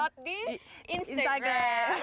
kelot di instagram